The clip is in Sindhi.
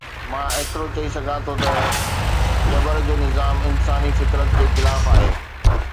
مان ايترو چئي سگهان ٿو ته جبر جو نظام انساني فطرت جي خلاف آهي.